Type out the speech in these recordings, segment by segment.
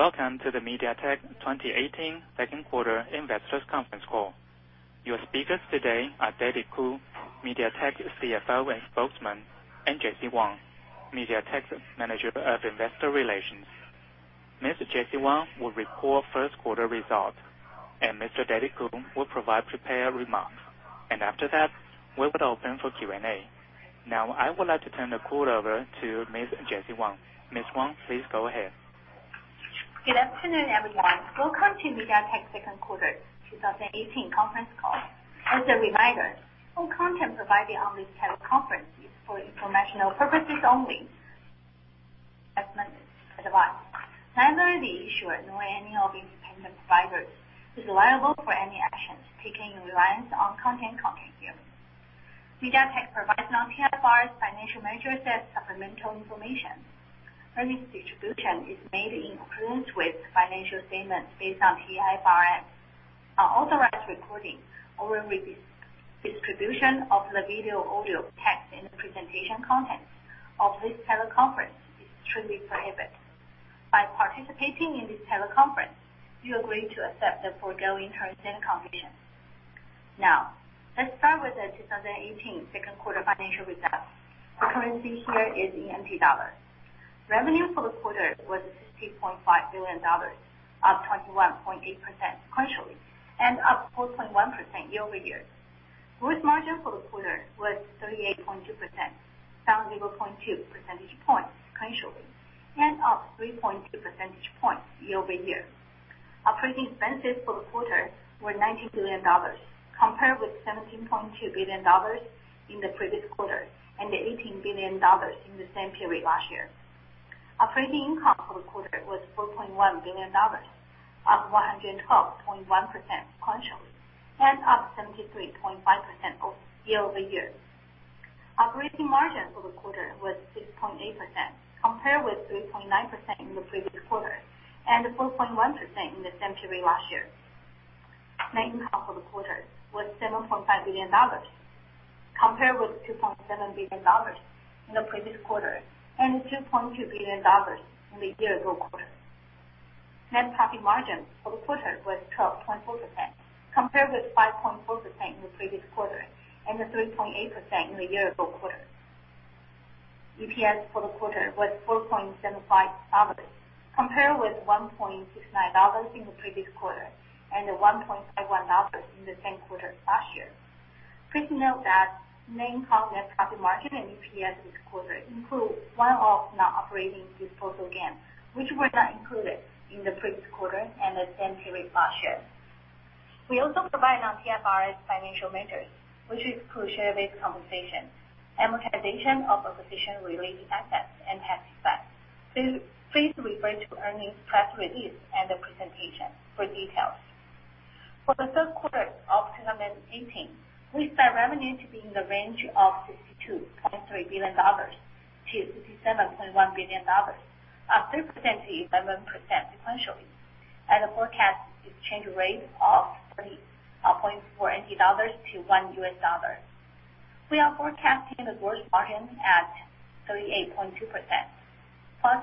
Welcome to the MediaTek 2018 second quarter investors conference call. Your speakers today are David Ku, MediaTek CFO and Spokesman, and Jessie Wang, MediaTek's Manager of Investor Relations. Mr. Jessie Wang will report first quarter results. Mr. David Ku will provide prepared remarks. After that, we will open for Q&A. Now, I would like to turn the call over to Ms. Jessie Wang. Ms. Wang, please go ahead. Good afternoon, everyone. Welcome to MediaTek second quarter 2018 conference call. As a reminder, all content provided on this teleconference is for informational purposes only. Neither the issuer nor any of the independent providers is liable for any actions taken in reliance on content contained herein. MediaTek provides non-IFRS financial measures as supplemental information. Earnings distribution is made in accordance with financial statements based on IFRS. Unauthorized recording or distribution of the video, audio, text, and presentation content of this teleconference is strictly prohibited. By participating in this teleconference, you agree to accept the foregoing terms and conditions. Now, let's start with the 2018 second quarter financial results. The currency here is in USD. Revenue for the quarter was $60.5 billion, up 21.8% sequentially, and up 4.1% year-over-year. Gross margin for the quarter was 38.2%, down 0.2 percentage points sequentially, and up 3.2 percentage points year-over-year. Operating expenses for the quarter were $19 billion, compared with $17.2 billion in the previous quarter. $18 billion in the same period last year. Operating income for the quarter was $4.1 billion, up 112.1% sequentially, up 73.5% year-over-year. Operating margin for the quarter was 6.8%, compared with 3.9% in the previous quarter. 4.1% in the same period last year. Net income for the quarter was $7.5 billion, compared with $2.7 billion in the previous quarter. $2.2 billion in the year-ago quarter. Net profit margin for the quarter was 12.4%, compared with 5.4% in the previous quarter. 3.8% in the year-ago quarter. EPS for the quarter was $4.75, compared with $1.69 in the previous quarter. $1.51 in the same quarter last year. Please note that net income, net profit margin, and EPS this quarter include one-off non-operating disposal gains, which were not included in the previous quarter and the same period last year. We also provide non-IFRS financial measures, which include share-based compensation, amortization of acquisition-related assets, and tax effect. Please refer to earnings press release and the presentation for details. For the third quarter of 2018, we expect revenue to be in the range of 52.3 billion-57.1 billion dollars, up 3%-11% sequentially, at a forecast exchange rate of 30.4 NT dollars to one US dollar. We are forecasting the gross margin at 38.2% ± 1.5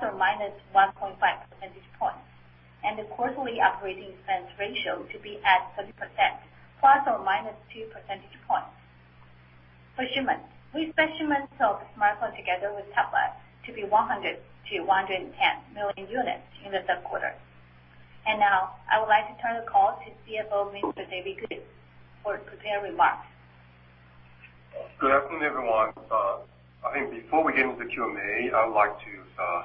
percentage points. The quarterly operating expense ratio to be at 30% ± 2 percentage points. For shipments, we expect shipments of smartphone together with tablets to be 100 million-110 million units in the third quarter. I would like to turn the call to CFO, Mr. David Ku, for prepared remarks. Good afternoon, everyone. I think before we get into Q&A, I would like to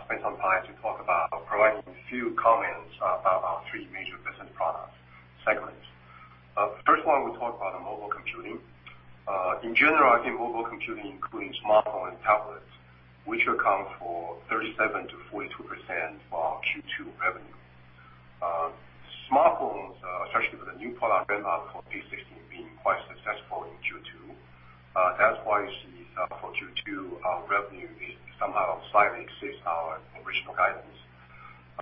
spend some time to talk about providing a few comments about our three major business product segments. First one, we'll talk about mobile computing. In general, I think mobile computing, including smartphone and tablets, which account for 37%-42% of our Q2 revenue. Smartphones, especially with the new product lineup for P60 being quite successful in Q2. That's why you see for Q2, our revenue is somehow slightly exceeds our original guidance.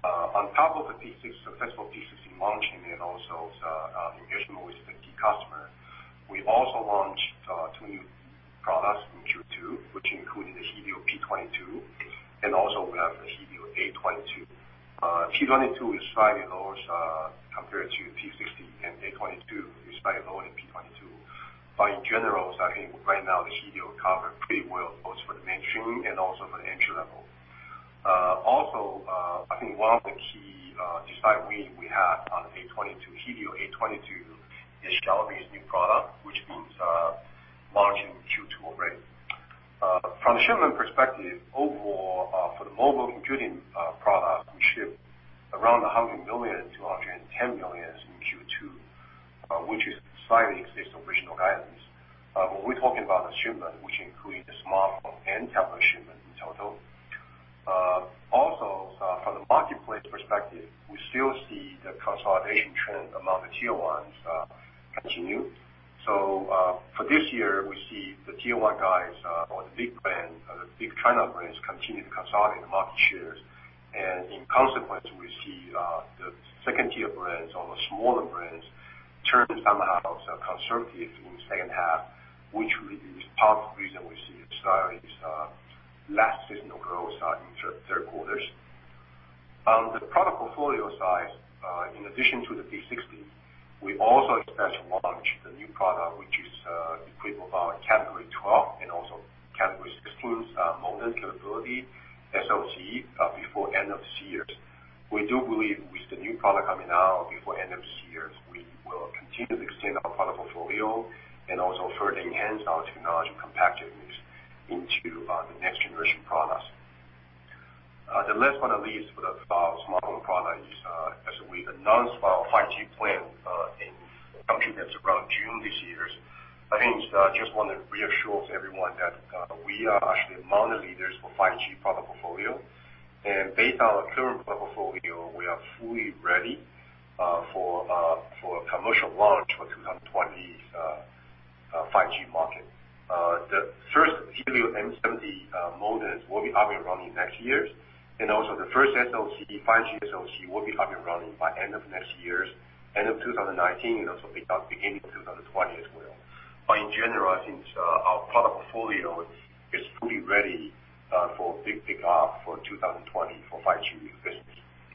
On top of the successful P60 launching and also engagement with the key customer, we also launched two new products in Q2, which include the Helio P22 and also we have the Helio A22. P22 is slightly lower compared to P60, and A22 is slightly lower than P22. In general, I think right now the Helio cover pretty well, both for the mainstream and also for the entry-level. Also, I think one of the key strategies we have on the A22, Helio A22, is Xiaomi new product, which we launched in Q2 already. From the shipment perspective, overall, for the mobile computing product, we shipped around 100 million-110 million in Q2, which is slightly exceeds original guidance. When we're talking about the shipment, which includes the smartphone and tablet shipment in total. Also, from the marketplace perspective, we still see the consolidation trend among the tier 1s continue. For this year, we see the tier 1 guys or the big China brands continue to consolidate the market shares. In consequence, we see the second-tier brands or the smaller brands turn somehow conservative in the second half. Which really is part of the reason we see a slight less seasonal growth in third quarters. On the product portfolio side, in addition to the P60, we also expect to launch the new product, which is equivalent of our Category 12 and also Category 6 plus modem capability, SOC, before end of this year. We do believe with the new product coming out before end of this year, we will continue to extend our product portfolio and also further enhance our technology competitiveness into the next generation products. The last one of these for the smartphone product is, as we announce our 5G plan in, I think that's around June this year. I think I just want to reassure everyone that we are actually among the leaders for 5G product portfolio, and based on our current product portfolio, we are fully ready for commercial launch for 2020 5G market. The first few Helio M70 modems will be up and running next year, the first 5G SoC will be up and running by end of next year, end of 2019 and beginning of 2020 as well. In general, I think our product portfolio is fully ready for big pickup for 2020 for 5G business.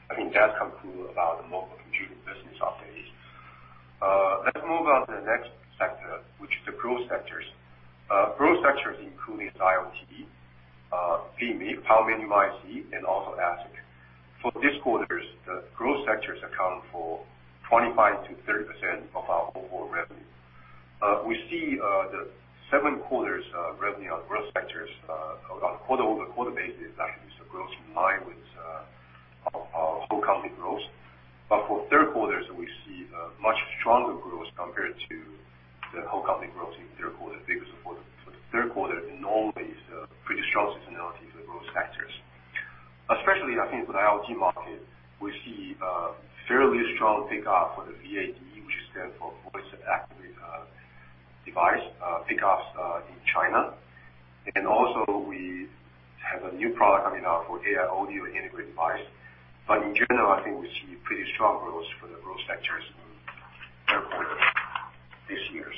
I think that concludes about the mobile computing business updates. Let's move on to the next sector, which is the growth sectors. Growth sectors including IoT, PMIC, power management IC, and ASIC. For this quarter, the growth sectors account for 25%-30% of our overall revenue. We see the seven quarters revenue on growth sectors on a quarter-over-quarter basis, actually it's growth in line with our whole company growth. For third quarter, we see a much stronger growth compared to the whole company growth in third quarter because for the third quarter, normally is a pretty strong seasonality for growth sectors. Especially, I think for the IoT market, we see a fairly strong pickup for the VAD, which stands for voice activated device, pickups in China. We have a new product coming out for AI audio integrated device. In general, I think we see pretty strong growth for the growth sectors in third quarter this year.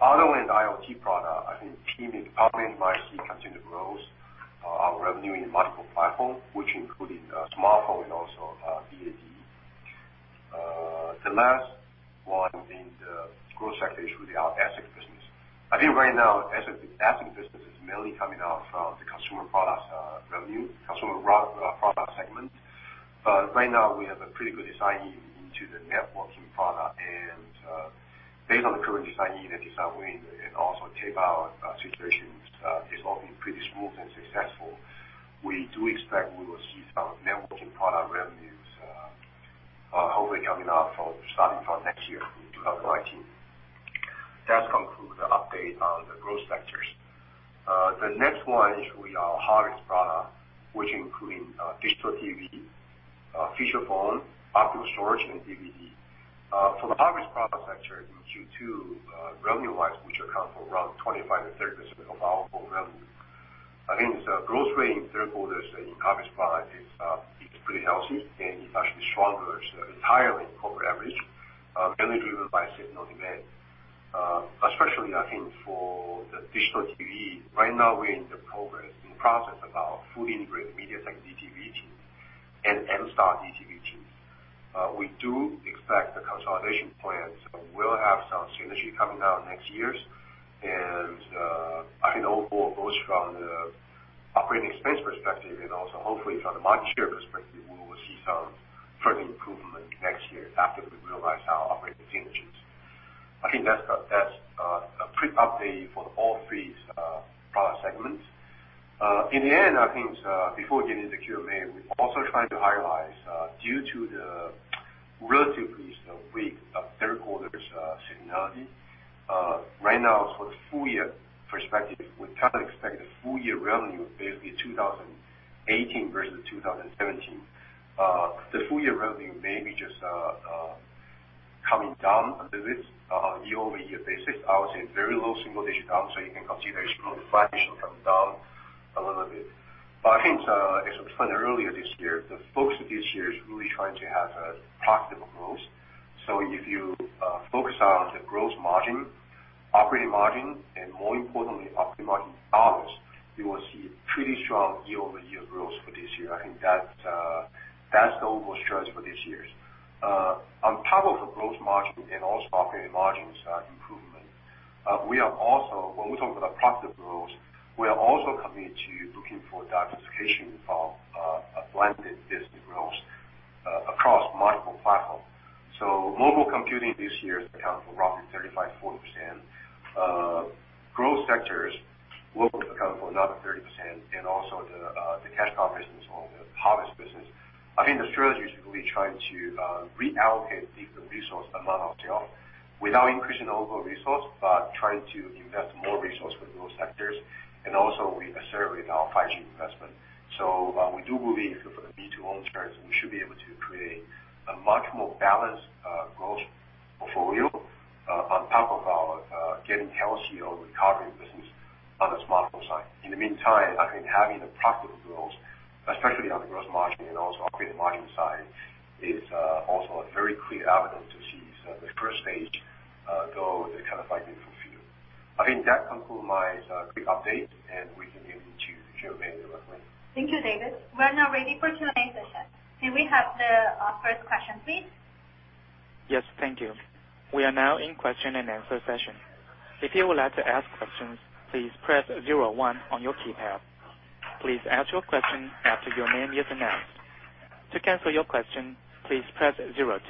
Other than IoT product, I think PMIC, power management IC, continue to grow our revenue in multiple platform, which including smartphone and VAD. The last one in the growth sector is really our ASIC business. I think right now, ASIC business is mainly coming out from the consumer products revenue, consumer product segment. Right now we have a pretty good design win into the networking product, and based on the current design win and also tape-out situation is all been pretty smooth and successful. We do expect we will see some networking product revenues, hopefully coming out starting from next year in 2019. That concludes the update on the growth sectors. The next one is really our harvest product, which including digital TV, feature phone, optical storage, and DVD. For the harvest product sector in Q2, revenue-wise, which account for around 25%-30% of our whole revenue. I think the growth rate in third quarter in harvest product is pretty healthy and is actually stronger than the entire year quarter average, mainly driven by seasonal demand. Especially, I think for the digital TV, right now we're in process of our fully integrated MediaTek DTV chip and M-Star DTV chip. We do expect the consolidation plans will have some synergy coming out next year. I think overall, both from the operating expense perspective and also hopefully from the margin perspective, we will see some further improvement next year after we realize our operating synergies. I think that's a quick update for all three product segments. Before getting into Q&A, we are also trying to highlight, due to the relatively weak third quarter seasonality, right now for the full year perspective, we expect the full year revenue, basically 2018 versus 2017. The full year revenue may be just coming down a little bit year-over-year basis. I would say very low single digit down, you can consider it small fraction coming down a little bit. As we explained earlier this year, the focus of this year is really trying to have a profitable growth. If you focus on the gross margin, operating margin, and more importantly, operating margin dollars, you will see pretty strong year-over-year growth for this year. That's the overall strategy for this year. On top of the gross margin and also operating margins improvement, when we talk about the profitable growth, we are also commit to looking for diversification of blended business growth across multiple platforms. Mobile computing this year account for roughly 35%, 40%. Growth sectors will account for another 30%, and also the cash cow business or the harvest business. The strategy is really trying to reallocate the resource among ourselves without increasing the overall resource, but trying to invest more resource for growth sectors. Also we accelerate our 5G investment. We do believe for the medium to long term, we should be able to create a much more balanced growth portfolio, on top of our getting healthy or recovery business on the smartphone side. In the meantime, having a profitable growth Especially on the gross margin and also operating margin side, is also a very clear evidence to see the first stage goal is like being fulfilled. That concludes my quick update, we can get into Q&A right away. Thank you, David. We are now ready for Q&A session. Can we have the first question, please? Yes, thank you. We are now in question and answer session. If you would like to ask questions, please press 01 on your keypad. Please ask your question after your name is announced. To cancel your question, please press 02.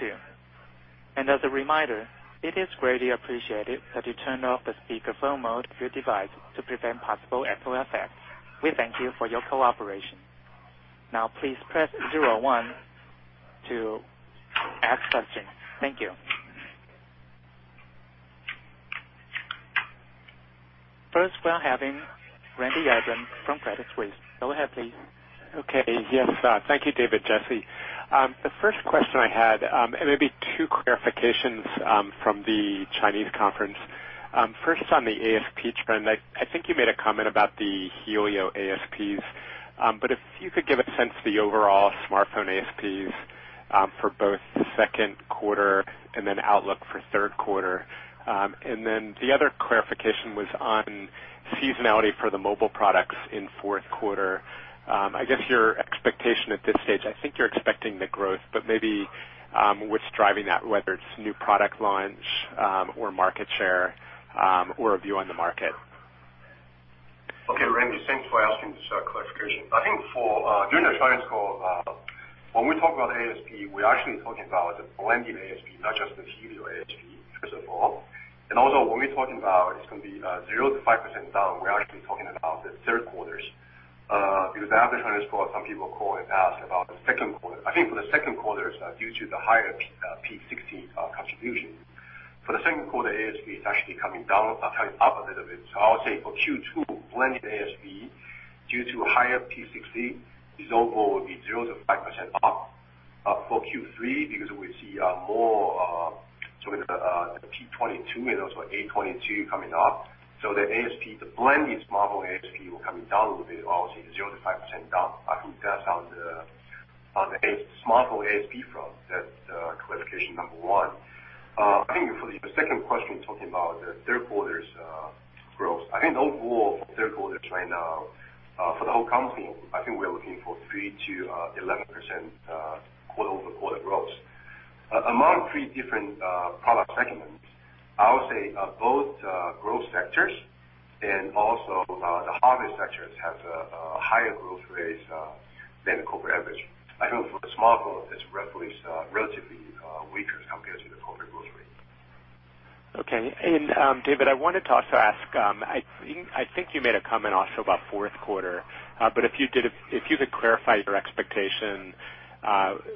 As a reminder, it is greatly appreciated that you turn off the speakerphone mode of your device to prevent possible echo effect. We thank you for your cooperation. Please press 01 to ask questions. Thank you. First, we are having Randy Abrams from Credit Suisse. Go ahead, please. Okay. Yes. Thank you, David, Jessie. The first question I had, maybe two clarifications from the Chinese conference. First, on the ASP trend, I think you made a comment about the Helio ASPs. If you could give a sense of the overall smartphone ASPs, for both second quarter and then outlook for third quarter. The other clarification was on seasonality for the mobile products in fourth quarter. I guess your expectation at this stage, I think you're expecting the growth, but maybe what's driving that, whether it's new product launch, or market share, or a view on the market? Okay, Randy, thanks for asking this clarification. I think during the Chinese call, when we talk about ASP, we're actually talking about the blended ASP, not just the Helio ASP, first of all. When we're talking about it's going to be 0%-5% down, we're actually talking about the third quarters. Because after the earnings call, some people call and ask about the second quarter. I think for the second quarter, due to the higher P60 contribution, for the second quarter, ASP is actually coming up a little bit. I would say for Q2, blended ASP, due to higher P60, this overall would be 0%-5% up. For Q3, because we see more of the P22 and also A22 coming up, the blended smartphone ASP will coming down a little bit, obviously 0%-5% down. I think that's on the smartphone ASP front, that clarification number 1. I think for the second question, talking about the third quarter's growth. I think the overall for third quarter right now, for the whole company, I think we are looking for 3%-11% quarter-over-quarter growth. Among three different product segments, I would say both growth sectors and also the harvest sectors have a higher growth rate than the corporate average. I think for the smartphone, it's relatively weaker compared to the corporate growth rate. Okay. David, I wanted to also ask, I think you made a comment also about fourth quarter. If you could clarify your expectation,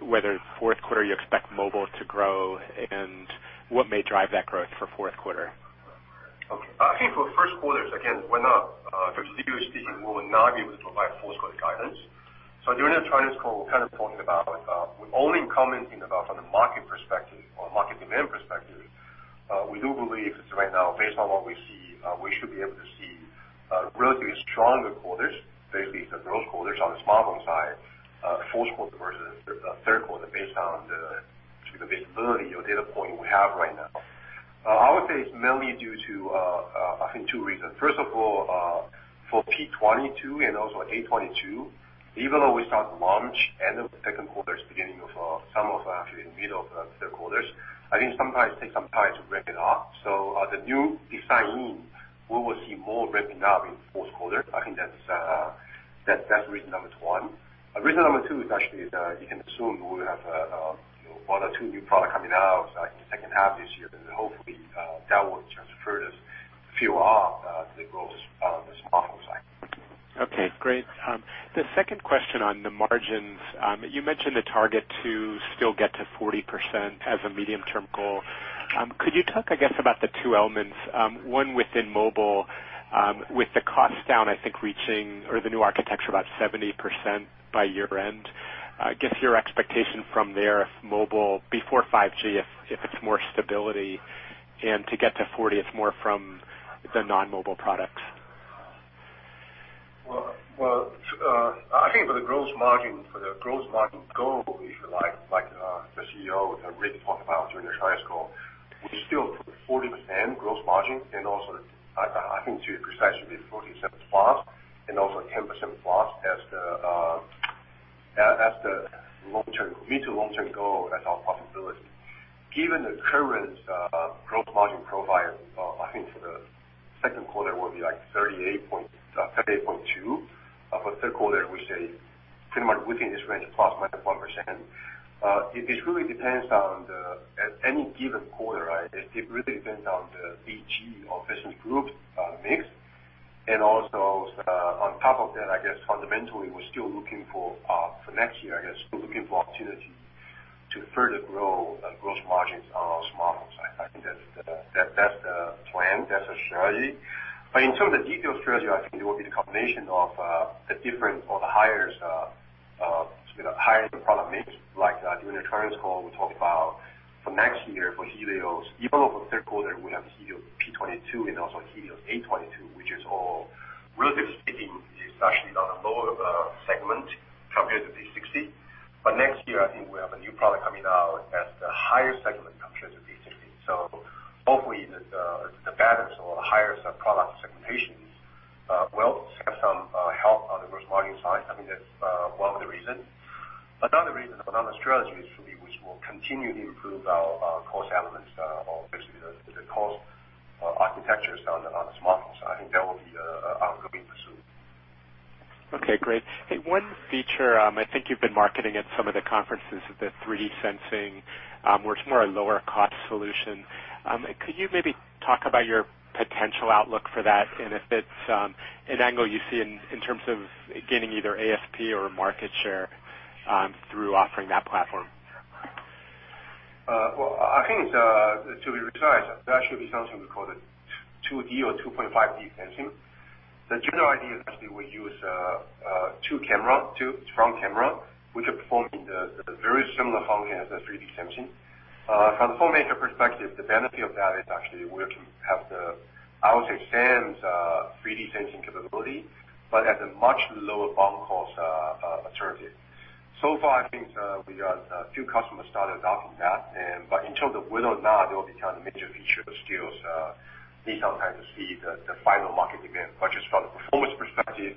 whether fourth quarter you expect mobile to grow, and what may drive that growth for fourth quarter? Okay. I think for first quarters, again, for QoQ, we will not be able to provide fourth quarter guidance. During the Chinese call, we're kind of talking about, we're only commenting about from the market perspective or market demand perspective. We do believe right now, based on what we see, we should be able to see relatively stronger quarters, basically the growth quarters on the smartphone side, fourth quarter versus third quarter, based on the visibility or data point we have right now. I would say it's mainly due to, I think, two reasons. First of all, for P22 and also A22, even though we start to launch end of second quarters, beginning of, some of actually in middle of third quarters, I think sometimes takes some time to ramp it up. The new design win, we will see more ramping up in fourth quarter. I think that's reason number 1. Reason number 2 is actually, you can assume we will have one or two new product coming out in the second half of this year. Hopefully, that will transfer this few up to the growth on the smartphone side. Okay, great. The second question on the margins. You mentioned the target to still get to 40% as a medium-term goal. Could you talk, I guess, about the two elements, one within mobile, with the cost down, I think, reaching or the new architecture about 70% by year-end? I guess your expectation from there, if mobile, before 5G, if it's more stability, and to get to 40%, it's more from the non-mobile products. Well, I think for the gross margin goal, if you like the CEO, Rick, talked about during the Chinese call, we still put 40% gross margin, to be precise, should be 40%+ and also 10%+ as the mid to long-term goal as our possibility. Given the current gross margin profile, I think for the second quarter will be like 38.2%. For third quarter, we say pretty much within this range, plus minus 1%. It really depends on, at any given quarter, it really depends on the BG, or business group, mix. On top of that, I guess fundamentally, we're still looking for next year, I guess, still looking for opportunity to further grow gross margins on our smartphone side. I think that's the plan; that's the strategy. In terms of the detailed strategy, I think it will be the combination of the different or the higher product mix. Like during the Chinese call, we talked about for next year for Helio, even for third quarter, we have Helio P22 and also Helio A22, which is all relatively speaking, is actually on a lower segment new product coming out as the higher segment compared to P60. Hopefully, the premium or higher sub-product segmentations will have some help on the gross margin side. That's one of the reasons. Another reason, another strategy, actually, which will continue to improve our cost elements, or basically, the cost architectures on the smartphones. I think that will be an ongoing pursuit. Okay, great. One feature, I think you've been marketing at some of the conferences, is the 3D sensing, which is more a lower-cost solution. Could you maybe talk about your potential outlook for that, and if it's an angle you see in terms of gaining either ASP or market share through offering that platform? Well, I think to be precise, that should be something we call 2D or 2.5D sensing. The general idea is actually we use two cameras, two strong cameras, which are performing very similar function as the 3D sensing. From the phone maker perspective, the benefit of that is actually we can have the, I would say, extend 3D sensing capability, but at a much lower BOM cost alternative. So far, I think we got a few customers started adopting that, in terms of whether or not it will become a major feature still needs some time to see the final market demand. Just from the performance perspective,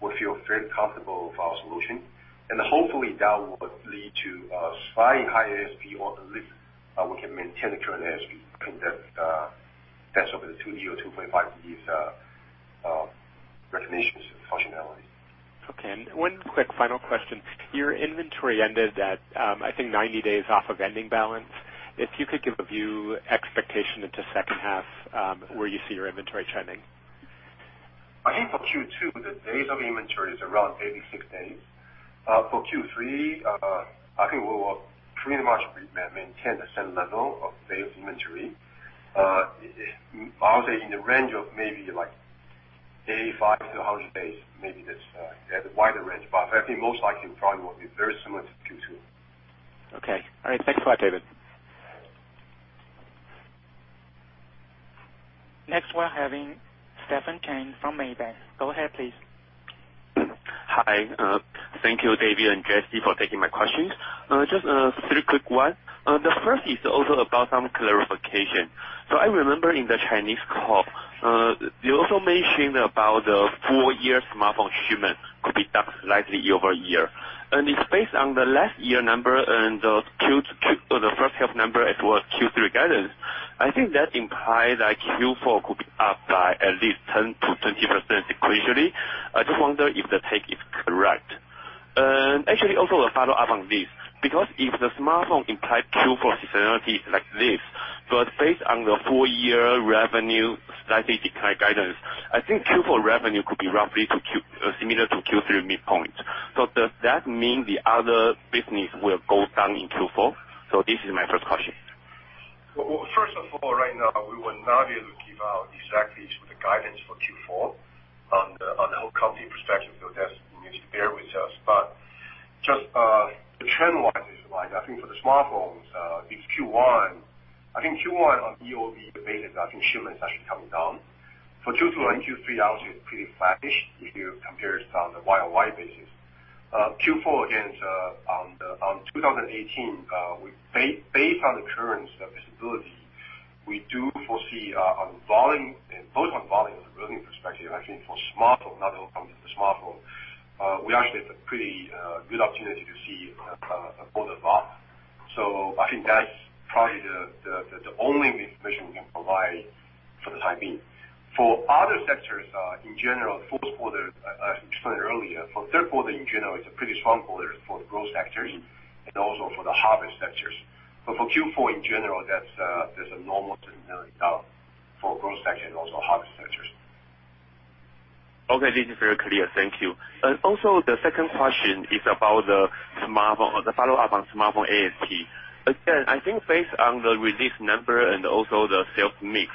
we feel very comfortable with our solution, and hopefully, that will lead to a slightly higher ASP, or at least we can maintain the current ASP. I think that covers the 2D or 2.5D recognition functionality. Okay. One quick final question. Your inventory ended at, I think, 90 days off of ending balance. If you could give a view, expectation into second half, where you see your inventory trending. I think for Q2, the days of inventory is around 86 days. For Q3, I think we will pretty much maintain the same level of days inventory. I would say in the range of maybe 85 to 100 days, maybe that's a wider range, but I think most likely, probably, will be very similar to Q2. Okay. All right. Thanks a lot, David. Next, we're having Stephen Kang from Maybank. Go ahead, please. Hi. Thank you, David and Jessie, for taking my questions. Just three quick ones. The first is also about some clarification. I remember in the Chinese call, you also mentioned about the full-year smartphone shipment could be up slightly year-over-year. It is based on the last year number and the first half number as well as Q3 guidance. I think that implies that Q4 could be up by at least 10%-20% sequentially. I just wonder if the take is correct. Actually, also a follow-up on this, because if the smartphone implies Q4 seasonality like this, based on the full-year revenue slightly decline guidance, I think Q4 revenue could be roughly similar to Q3 midpoint. Does that mean the other business will go down in Q4? This is my first question. First of all, right now, we will not be able to give out exactly the guidance for Q4 on the whole company perspective, so you will just need to bear with us. Just the trend-wise, I think for the smartphones, I think Q1, on a year-over-year basis, I think shipment is actually coming down. For Q2 and Q3, I will say it is pretty flattish if you compare it on the YoY basis. Q4, again, on 2018, based on the current visibility, we do foresee on both on volume and revenue perspective, actually, for smartphone, not only from the smartphone, we actually have a pretty good opportunity to see a further bump. I think that is probably the only information we can provide for the time being. For other sectors, in general, fourth quarter, as we explained earlier, for third quarter in general, it is a pretty strong quarter for growth sectors and also for the harvest sectors. For Q4 in general, there is a normal seasonality down for growth sector and also harvest sectors. Okay, this is very clear. Thank you. Also, the second question is about the follow-up on smartphone ASP. Again, I think based on the released number and also the sales mix,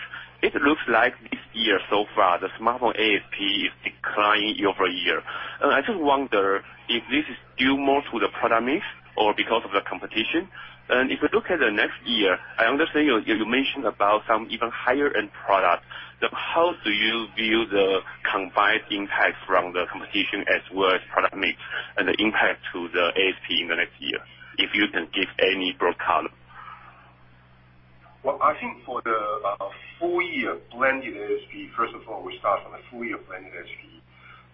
it looks like this year so far, the smartphone ASP is declining year-over-year. I just wonder if this is due more to the product mix or because of the competition. If you look at the next year, I understand you mentioned about some even higher-end products. How do you view the combined impact from the competition as well as product mix and the impact to the ASP in the next year, if you can give any broad color? I think for the full-year blended ASP, first of all, we start from the full-year blended ASP.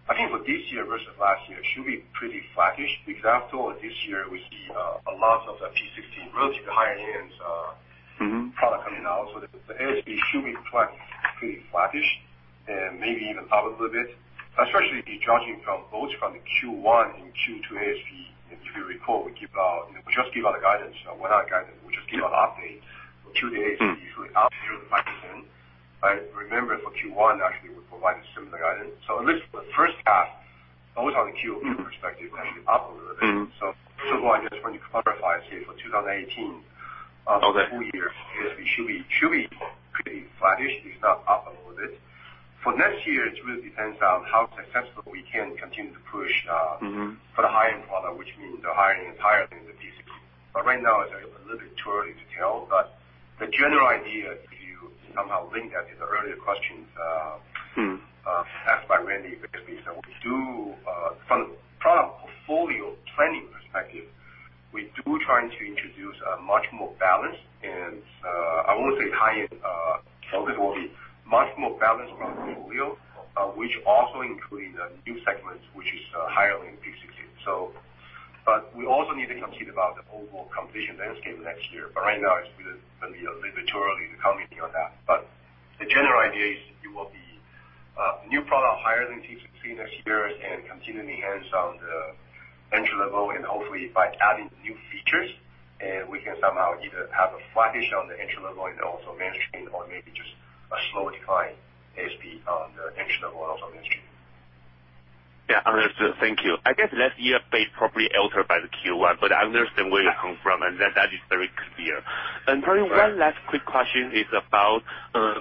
I think for this year versus last year, it should be pretty flattish, because after all, this year, we see a lot of the Cat 16, relatively higher-end product coming out. The ASP should be pretty flattish and maybe even up a little bit, especially judging both from the Q1 and Q2 ASP. If you recall, we just gave out a guidance. We just gave an update for Q2 ASP. It's really up year-over-year by 10%. If I remember, for Q1, actually, we provided similar guidance. At least for the first half, always on the quarter-over-quarter perspective, actually up a little bit. I just want to clarify, say, for 2018, the full year, it should be pretty flattish, if not up a little bit. For next year, it really depends on how successful we can continue to push for the high-end product, which means the higher end is higher than the Cat 16. Right now, it's a little too early to tell, the general idea is Asked by Randy, basically. From product portfolio planning perspective, we do try to introduce a much more balanced portfolio, which also includes new segments, which is higher than Cat 16. We also need to consider about the overall competition landscape next year. Right now, it's a little bit too early to comment on that. The general idea is it will be new product higher than Cat 16 next year and continuing to enhance on the entry-level, and hopefully by adding new features, we can somehow either have a flat-ish on the entry-level and also mainstream, or maybe just a slow decline as the entry-level and also mainstream. Yeah, understood. Thank you. I guess last year base probably altered by the Q1, I understand where you come from, and that is very clear. Probably one last quick question is about,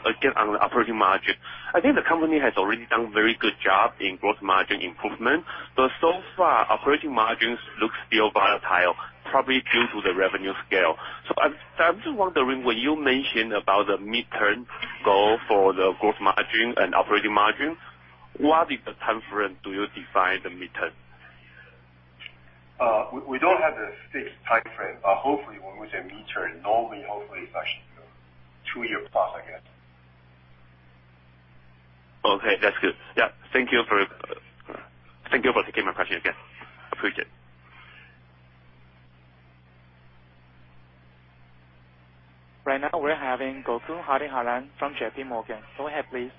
again, on the operating margin. I think the company has already done a very good job in gross margin improvement. So far, operating margins look still volatile, probably due to the revenue scale. I'm just wondering, when you mentioned about the midterm goal for the gross margin and operating margin, what is the timeframe do you define the midterm? We don't have the fixed timeframe. Hopefully when we say midterm, normally, hopefully that should be two years+, I guess. Okay, that's good. Yeah. Thank you for taking my question. Again, appreciate it. Right now, we're having Gokul Hariharan from JPMorgan. Go ahead, please.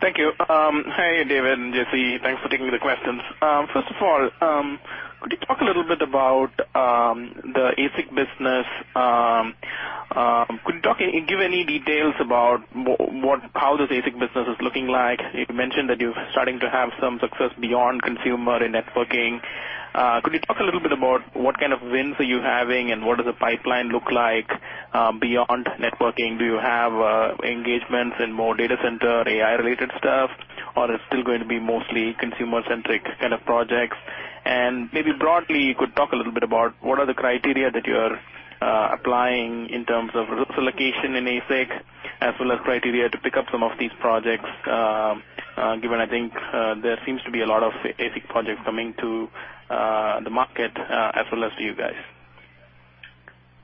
Thank you. Hi, David and Jessie. Thanks for taking the questions. First of all, could you talk a little bit about the ASIC business? Could you give any details about how this ASIC business is looking like? You mentioned that you're starting to have some success beyond consumer and networking. Could you talk a little bit about what kind of wins are you having, and what does the pipeline look like beyond networking? Do you have engagements in more data center, AI-related stuff, or it's still going to be mostly consumer-centric kind of projects? maybe broadly, you could talk a little bit about what are the criteria that you are applying in terms of resource allocation in ASIC, as well as criteria to pick up some of these projects, given, I think, there seems to be a lot of ASIC projects coming to the market, as well as to you guys.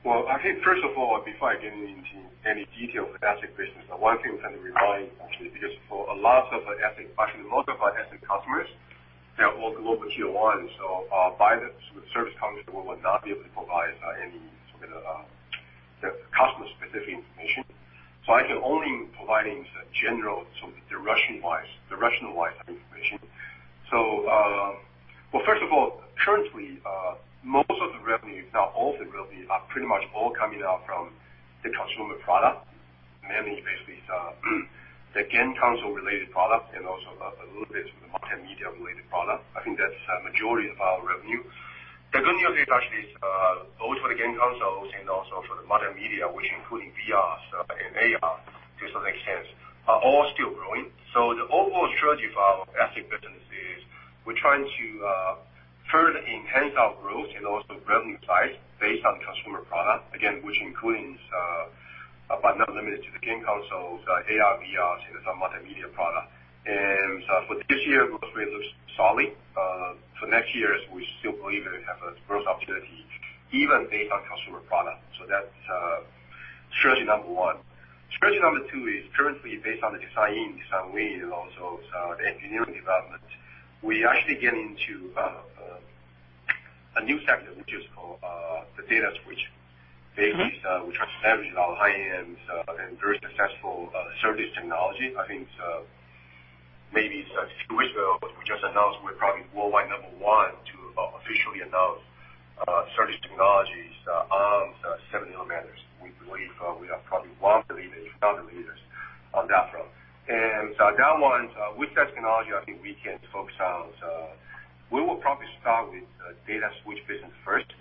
I think first of all, before I get into any detail of the ASIC business, the one thing I want to remind, actually, because for a lot of our ASIC customers, they are all global Tier 1s, by the service contract, we will not be able to provide any sort of customer-specific information. I can only provide general direction-wise information. First of all, currently, most of the revenues, not all the revenues, are pretty much all coming out from the consumer product, mainly basically the game console-related product, and also a little bit of multimedia-related product. I think that's a majority of our revenue. The good news is actually, both for the game consoles and also for the multimedia, which including VRs and AR, to some extent, are all still growing. The overall strategy of our ASIC business is we're trying to further enhance our growth and also revenue size based on consumer product, again, which includes, but not limited to the game consoles, AR, VRs, and some multimedia product. For this year, gross rate looks solid. For next year, we still believe that we have a growth opportunity, even based on consumer product. That's strategy number 1. Strategy number 2 is currently based on the design win and also the engineering development. We actually get into a new sector, which is called the data switch. Basically, we try to leverage our high-end and very successful SerDes technology. I think maybe it's news we just announced, we're probably worldwide number 1 to officially announce SerDes technologies on 7 nanometers. We believe we are probably one of the leaders on that front. That one, with that technology, I think we will probably start with data switch business first.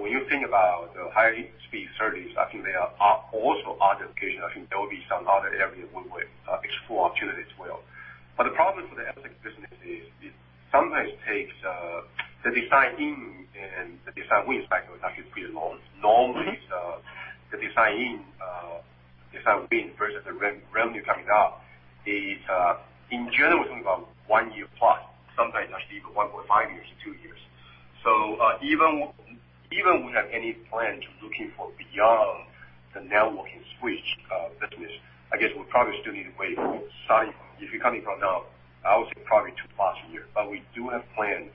When you think about the high-speed SerDes, I think there are also other applications. I think there will be some other area we would explore opportunities as well. The problem for the ASIC business is it sometimes takes the design-in and the design wins factor is actually pretty long. Normally, the design win versus the revenue coming out is, in general, we're talking about one year plus, sometimes actually even 1.5 years to two years. Even if we have any plan to looking for beyond the networking switch business, I guess we probably still need to wait, if you're counting from now, I would say probably two plus years. We do have plans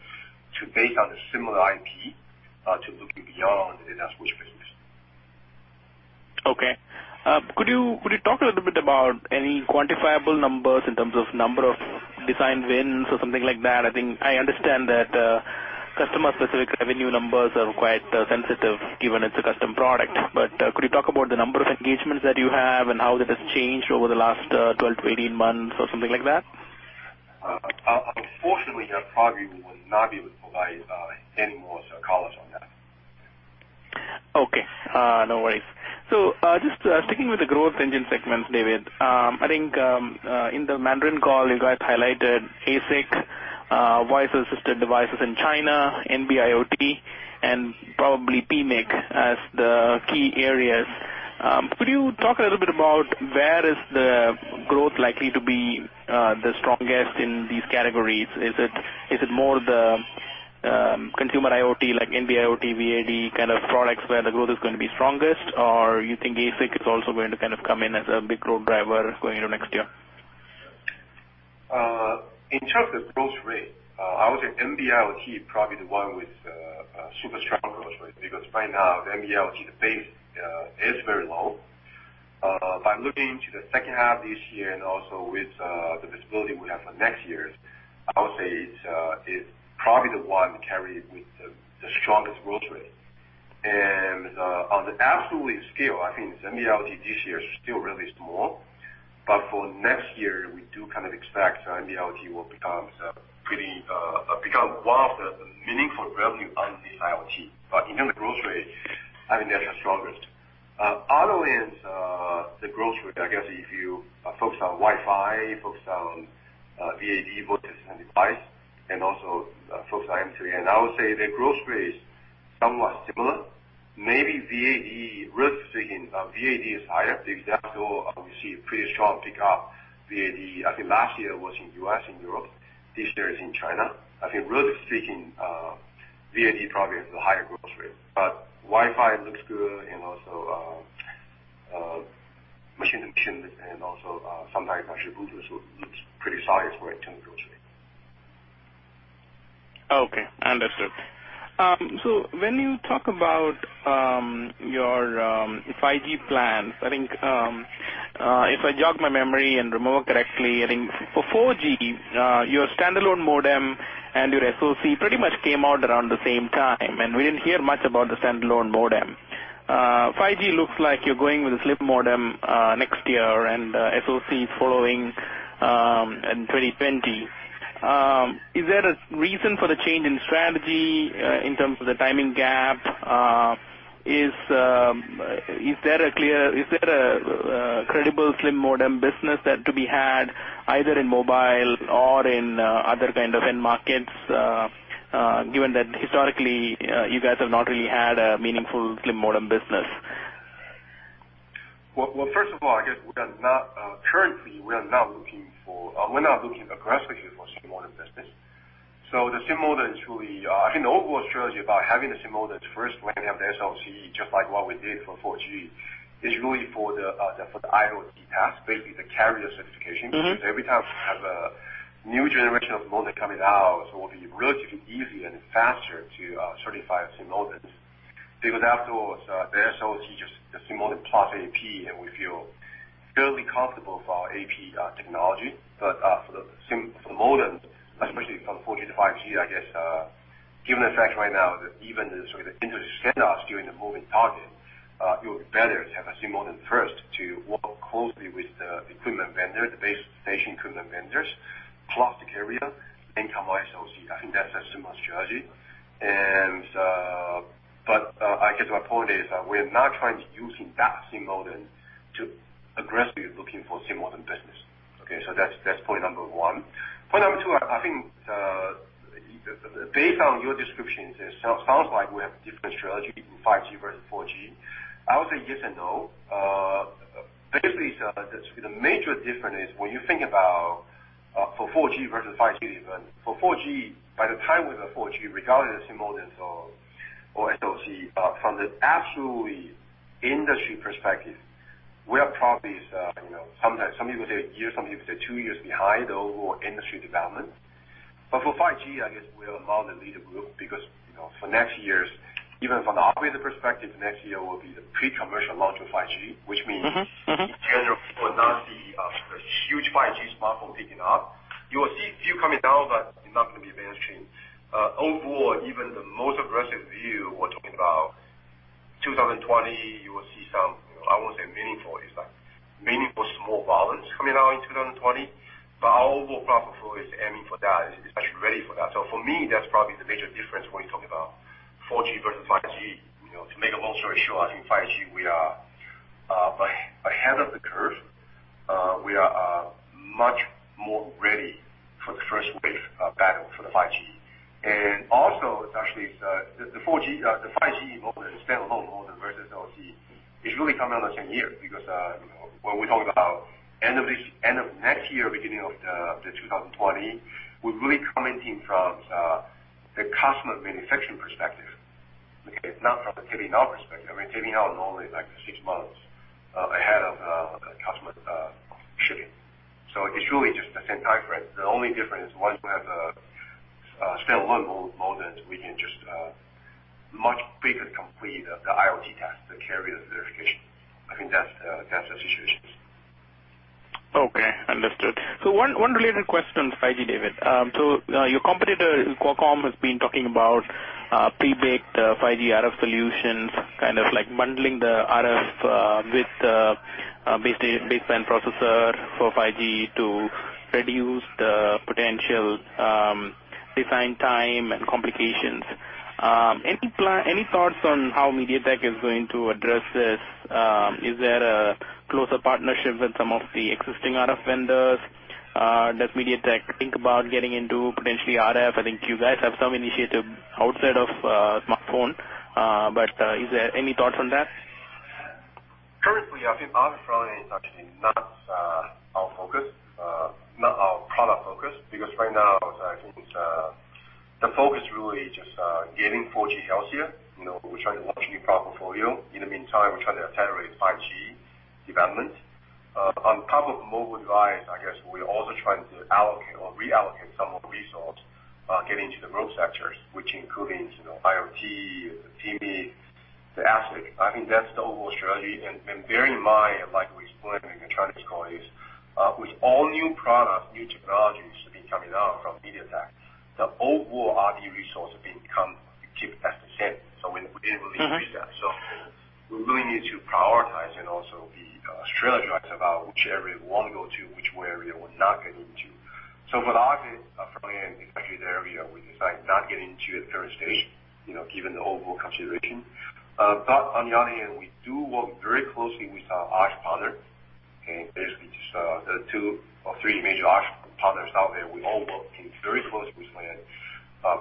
to base on the similar IP, to looking beyond the network switch business. Okay. Could you talk a little bit about any quantifiable numbers in terms of number of design wins or something like that? I think I understand that customer-specific revenue numbers are quite sensitive given it's a custom product. Could you talk about the number of engagements that you have and how that has changed over the last 12-18 months or something like that? Unfortunately, I probably will not be able to provide any more colors on that. Okay. No worries. Just sticking with the growth engine segments, David. I think, in the Mandarin call, you guys highlighted ASIC Voice assisted devices in China, NB-IoT, and probably PMIC as the key areas. Could you talk a little bit about where is the growth likely to be the strongest in these categories? Is it more the consumer IoT, like NB-IoT, VAD kind of products where the growth is going to be strongest, or you think ASIC is also going to come in as a big growth driver going into next year? In terms of growth rate, I would say NB-IoT is probably the one with super strong growth rate, because right now, the NB-IoT base is very low. By looking to the second half of this year and also with the visibility we have for next year, I would say it's probably the one carrying with the strongest growth rate. On the absolute scale, I think NB-IoT this year still relatively small. For next year, we do expect NB-IoT will become one of the meaningful revenue on the IoT. In terms of growth rate, I think that's the strongest. Other than the growth rate, I guess if you focus on Wi-Fi, focus on VAD, voice and device, and also focus on M2M, I would say the growth rate is somewhat similar. Maybe VAD is higher, because after all, obviously, a pretty strong pick up VAD. I think last year was in U.S. and Europe, this year is in China. I think relatively speaking, VAD probably has the higher growth rate. Wi-Fi looks good and also machine-to-machine, and also sometimes actually Bluetooth looks pretty solid for internal growth rate. Okay, understood. When you talk about your 5G plans, I think, if I jog my memory and remember correctly, I think for 4G, your standalone modem and your SoC pretty much came out around the same time, and we didn't hear much about the standalone modem. 5G looks like you're going with a standalone modem next year, and SoC is following in 2020. Is there a reason for the change in strategy in terms of the timing gap? Is there a credible standalone modem business that could be had either in mobile or in other kind of end markets, given that historically, you guys have not really had a meaningful standalone modem business? Well, first of all, I guess currently, we are not looking aggressively for standalone modem business. The standalone modem is really, I think the overall strategy about having the standalone modem first, when we have the SoC, just like what we did for 4G, is really for the IoT task, basically the carrier certification. Every time we have a new generation of modem coming out, it will be relatively easy and faster to certify a standalone modem. Afterwards, the SoC, just the standalone modem plus AP, and we feel fairly comfortable for our AP technology. For the modem, especially from 4G to 5G, I guess, given the fact right now that even the sort of the industry standards are still in a moving target, it would be better to have a standalone modem first to work closely with the equipment vendor, the base station equipment vendors, plus the carrier, then come our SoC. I think that's the smart strategy. I guess my point is, we are not trying to, using that standalone modem, to aggressively looking for standalone modem business. Okay, that's point number one. Point number two, I think, based on your description, it sounds like we have different strategy in 5G versus 4G. I would say yes and no. Basically, the major difference is when you think about for 4G versus 5G. Even for 4G, by the time we have a 4G, regardless of standalone modem or SoC, from the absolute industry perspective, we are probably, sometimes, some people say a year, some people say two years behind the overall industry development. For 5G, I guess we are among the leader group, because, for next year, even from the operator perspective, next year will be the pre-commercial launch of 5G, which means In general, we will not see a huge 5G smartphone taking off. You will see a few coming out, but it's not going to be mainstream. Overall, even the most aggressive view, we're talking about 2020, you will see some, I won't say meaningful, it's like meaningful small volumes coming out in 2020. Our overall product flow is aiming for that, especially ready for that. For me, that's probably the major difference when you talk about 4G versus 5G. To make a long story short, I think 5G, we are ahead of the curve. We are much more ready for the first wave battle for the 5G. Also, actually, the 5G modem, the standalone modem versus SoC, is really coming out the same year. Because, when we talk about end of next year, beginning of 2020, we're really commenting from the customer manufacturing perspective. Okay? It's not from the taping out perspective. I mean, taping out is normally like 6 months ahead of the customer shipping. It's really just the same time frame. The only difference, once you have a standalone modem, we can just much better complete the IoT task, the carrier verification. I think that's the situation. Okay, understood. One related question on 5G, David. Your competitor, Qualcomm, has been talking about pre-baked 5G RF solutions, kind of like bundling the RF with the baseband processor for 5G to reduce the potential design time and complications. Any thoughts on how MediaTek is going to address this? Is there a closer partnership with some of the existing RF vendors? Does MediaTek think about getting into potentially RF? I think you guys have some initiative outside of smartphone. Is there any thoughts on that? Currently, I think RF front end is actually not our product focus, because right now, I think the focus really is just getting 4G healthier. We're trying to launch new product portfolio. We're trying to accelerate 5G development. On top of mobile device, I guess, we're also trying to allocate or reallocate some of the resource, get into the growth sectors, which includes IoT, TV, ASIC. I think that's the overall strategy. Bear in mind, like we explained in the earnings call, is with all new products, new technologies to be coming out from MediaTek, the overall R&D resource has been kept as the same. We didn't really increase that. We really need to prioritize and also be strategized about which area we want to go to, which area we're not getting into. For RF, front end is actually the area we decide not get into at current stage, given the overall consideration. On the other hand, we do work very closely with our RF partner, and basically just the two or three major RF partners out there. We all working very closely with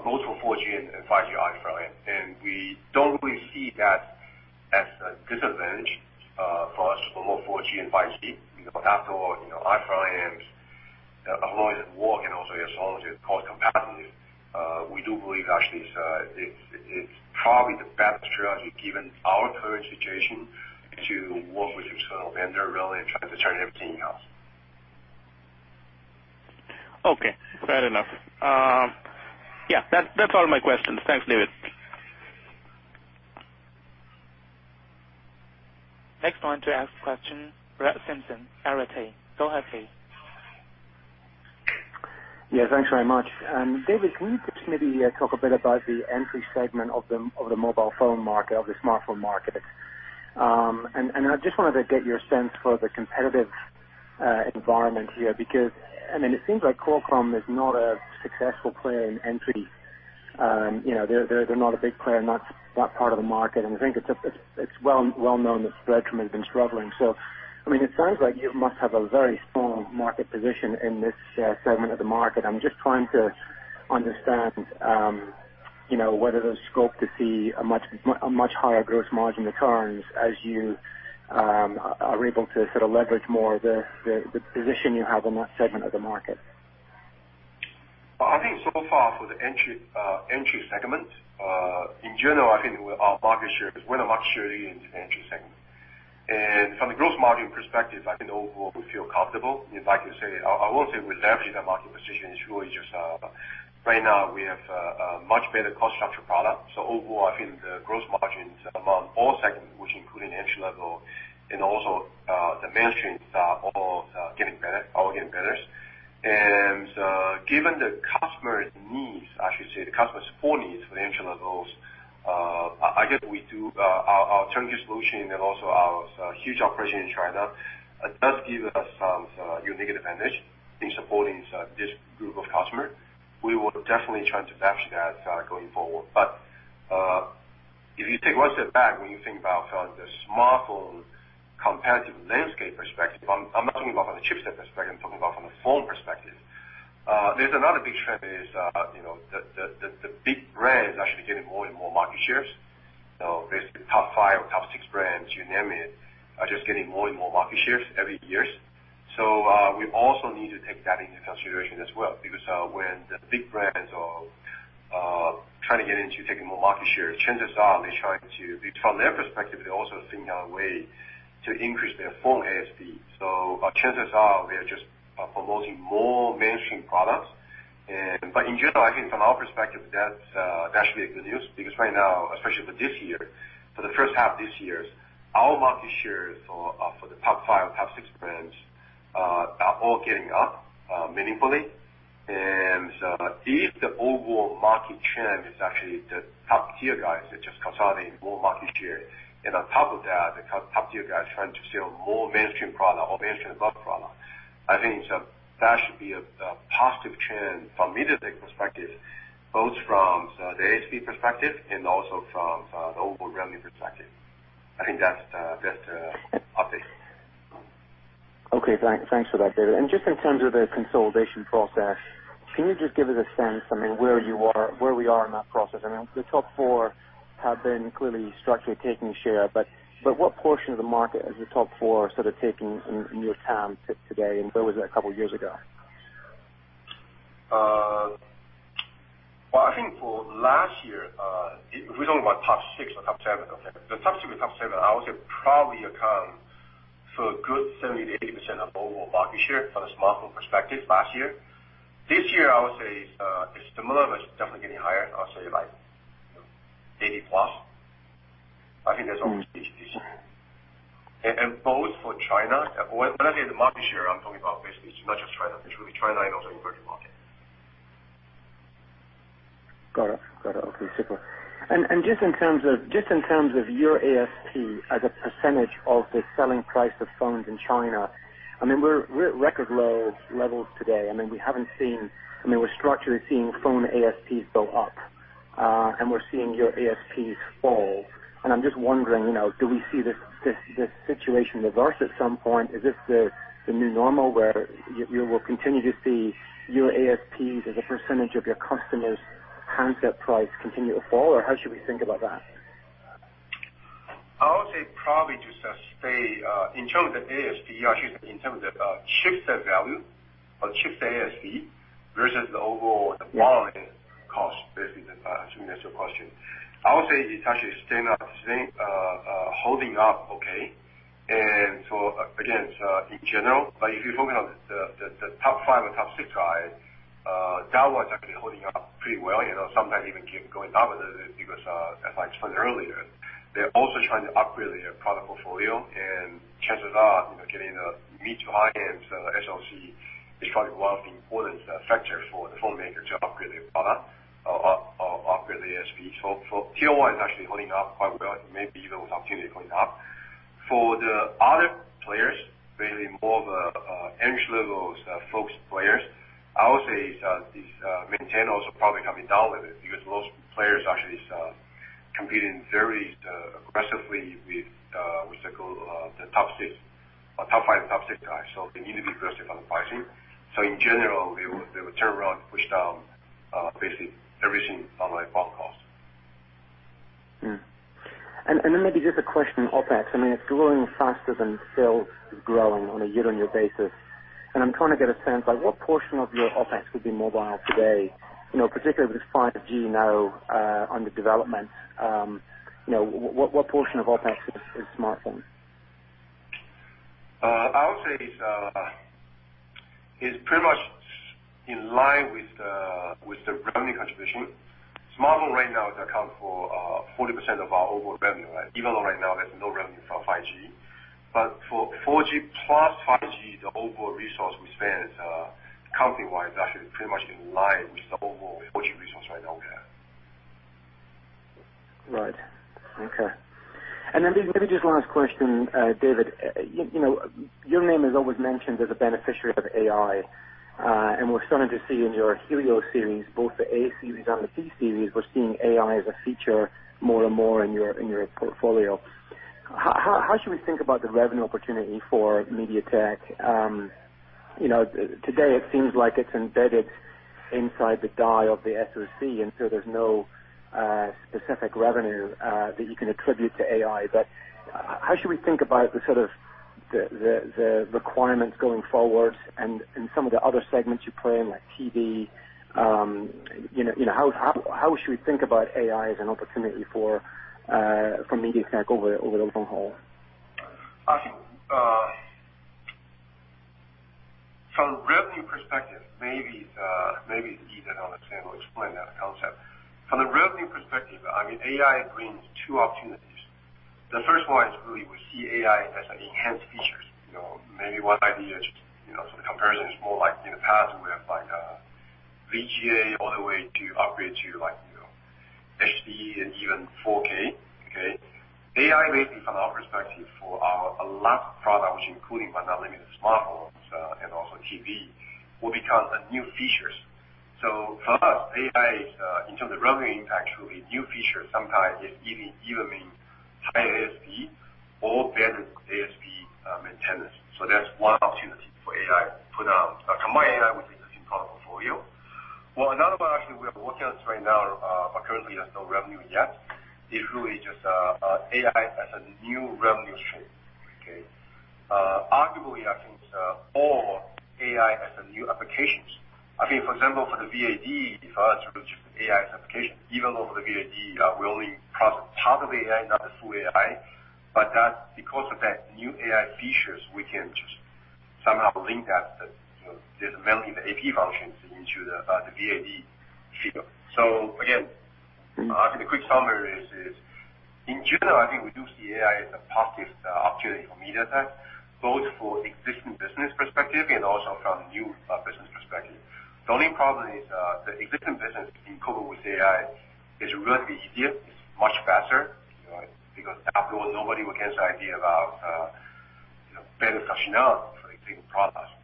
both for 4G and 5G RF front end. We don't really see that as a disadvantage for us to promote 4G and 5G. After all, RF front ends, as long as it work and also as long as it's cost competitive, we do believe actually, it's probably the best strategy, given our current situation, to work with this vendor rather than trying to turn everything in-house. Okay, fair enough. That's all my questions. Thanks, David. Next one to ask question, Brett Simpson, Arete Research. Go ahead, please. Yeah, thanks very much. David, can you perhaps maybe talk a bit about the entry segment of the mobile phone market, of the smartphone market? I just wanted to get your sense for the competitive environment here, because it seems like Qualcomm is not a successful player in entry. They're not a big player in that part of the market, and I think it's well-known that Spreadtrum has been struggling. It sounds like you must have a very strong market position in this segment of the market. I'm just trying to understand, whether there's scope to see a much higher gross margin returns as you are able to sort of leverage more the position you have in that segment of the market. I think so far for the entry segment, in general, I think our market share, because we have a market share in the entry segment. From the gross margin perspective, I think overall, we feel comfortable. Like you say, I won't say we leverage that market position, it's really just, right now, we have a much better cost structure product. Overall, I think the gross margins among all segments, which include entry-level and also the mainstream, are all getting better. Given the customer's needs, I should say, the customer's full needs for the entry-levels, I guess our turnkey solution and also our huge operation in China, does give us some unique advantage in supporting this group of customer. We will definitely try to capture that going forward. If you take one step back, when you think about the smartphone competitive landscape perspective, I'm not talking about from a chipset perspective, I'm talking about from a phone perspective. There's another big trend is, the big brands actually getting more and more market shares. Basically, top 5 or top 6 brands, you name it, are just getting more and more market shares every years. We also need to take that into consideration as well, because when the big brands are trying to get into taking more market share, chances are they're trying to, from their perspective, they're also thinking of a way to increase their phone ASP. Chances are, they are just promoting more mainstream products. In general, I think from our perspective, that's actually a good news because right now, especially for this year, for the first half this year, our market shares for the top 5, top 6 brands, are all getting up meaningfully. If the overall market trend is actually the top-tier guys, they're just consolidating more market share. On top of that, the top-tier guys trying to sell more mainstream product or mainstream plus product. I think that should be a positive trend from MediaTek perspective, both from the ASP perspective and also from the overall revenue perspective. I think that's the update. Okay, thanks for that, David. Just in terms of the consolidation process, can you just give us a sense, where we are in that process? I know the top 4 have been clearly structurally taking share, but what portion of the market has the top 4 sort of taken in your count today, and where was it a couple of years ago? I think for last year, if we talk about top 6 or top 7, okay. The top 6 or top 7, I would say, probably account for a good 70%-80% of overall market share from the smartphone perspective last year. This year, I would say, it's similar, but it's definitely getting higher. I'll say like, 80+. I think that's almost 80. Both for China-- When I say the market share, I'm talking about basically, it's not just China, it's really China and also emerging market. Got it. Okay, super. Just in terms of your ASP as a percentage of the selling price of phones in China, we're at record low levels today. We're structurally seeing phone ASPs go up. We're seeing your ASPs fall. I'm just wondering, do we see this situation reverse at some point? Is this the new normal where you will continue to see your ASPs as a percentage of your customers' concept price continue to fall, or how should we think about that? I would say probably to just say, in terms of the ASP, actually, in terms of chipset value or chipset ASP versus the overall margin cost, basically, to answer your question. I would say it's actually holding up okay. Again, in general, if you focus on the top 5 or top 6 guys, downwards, actually holding up pretty well, sometimes even keep going up with it, because, as I explained earlier, they're also trying to upgrade their product portfolio, and chances are, getting the mid to high-end SoC is probably one of the important factors for the phone maker to upgrade their product or upgrade the ASP. Tier 1 is actually holding up quite well, maybe even with opportunity going up. For the other players, basically more of a entry-level focused players, I would say these maintainers are probably coming down with it, because most players actually competing very aggressively with, what's that called, the top six, or top five, top six guys, so they need to be aggressive on the pricing. In general, they will turn around, push down, basically, everything down like BOM cost. Maybe just a question on OpEx. It's growing faster than sales is growing on a year-on-year basis. I'm trying to get a sense, what portion of your OpEx would be mobile today, particularly with 5G now under development. What portion of OpEx is smartphone? I would say it's pretty much in line with the revenue contribution. Smartphone right now accounts for 40% of our overall revenue. Even though right now there's no revenue from 5G. For 4G plus 5G, the overall resource we spend company-wide is actually pretty much in line with the overall 4G resource right now we have. Right. Okay. Maybe just last question, David. Your name is always mentioned as a beneficiary of AI, and we're starting to see in your Helio series, both the A series and the C series, we're seeing AI as a feature more and more in your portfolio. How should we think about the revenue opportunity for MediaTek? Today it seems like it's embedded inside the die of the SoC, there's no specific revenue that you can attribute to AI. How should we think about the requirements going forward and some of the other segments you play in, like TV? How should we think about AI as an opportunity for MediaTek over the long haul? From revenue perspective, maybe it's easier to understand or explain that concept. From the revenue perspective, AI brings two opportunities. The first one is really we see AI as an enhanced features. Maybe one idea, just for the comparison, is more like in the past, we have VGA all the way to upgrade to HD and even 4K. AI, basically, from our perspective, for our last product, which including but not limited to smartphones, and also TV, will become a new features. For us, AI, in terms of revenue impact, actually, new features sometimes is even higher ASP or better ASP maintenance. That's one opportunity for AI, combine AI with existing product portfolio. Well, another one, actually, we are working on right now, but currently there's no revenue yet, is really just AI as a new revenue stream. Arguably, I think, or AI as a new applications. For example, for the VAD, for us, which is AI applications, even though for the VAD, we only process part of AI, not the full AI. That, because of that new AI features, we can just somehow link that, there's a meld in the AP functions into the VAD feature. Again, I think the quick summary is, in general, I think we do see AI as a positive opportunity for MediaTek, both for existing business perspective and also from new business perspective. The only problem is, the existing business coupled with AI is relatively easier, it's much faster, because after all, nobody will get the idea about better functionality for existing products.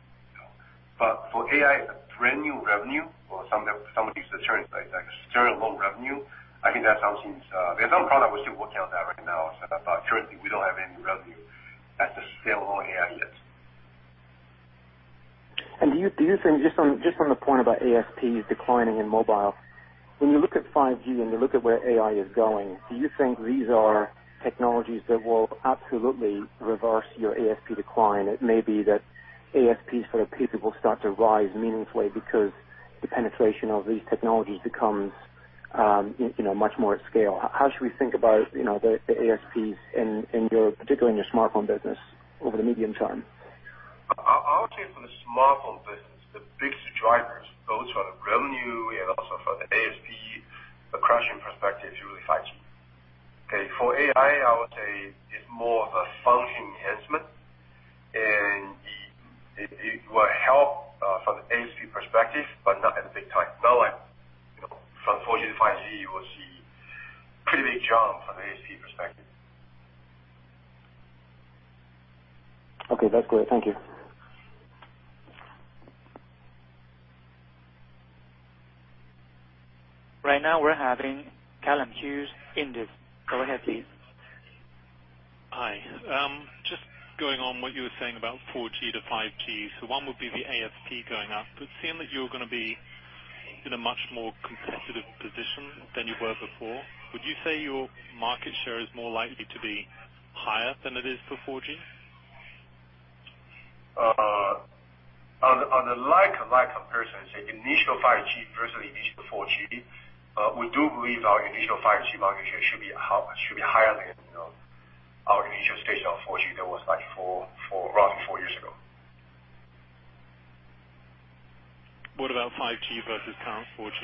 For AI, a brand-new revenue, or some use the term like zero low revenue, I think there are some product we're still working on that right now. Currently, we don't have any revenue at this scale on AI yet. Do you think, just from the point about ASPs declining in mobile, when you look at 5G and you look at where AI is going, do you think these are technologies that will absolutely reverse your ASP decline? It may be that ASPs for APU will start to rise meaningfully because the penetration of these technologies becomes much more at scale. How should we think about the ASPs in your, particularly in your smartphone business, over the medium term? I would say for the smartphone business, the biggest drivers, both for the revenue and also for the ASP, the crushing perspective is really 5G. For AI, I would say it's more of a function enhancement, and it will help from the ASP perspective, but not at the big time. Not like from 4G to 5G, we will see pretty big jump from ASP perspective. Okay, that's great. Thank you. Right now, we're having Callum Hughes, Indos. Go ahead, please. Hi. Just going on what you were saying about 4G to 5G. One would be the ASP going up, but seeing that you're going to be in a much more competitive position than you were before, would you say your market share is more likely to be higher than it is for 4G? On the like comparison, say, initial 5G versus initial 4G, we do believe our initial 5G market share should be higher than our initial stage of 4G that was like roughly four years ago. What about 5G versus current 4G?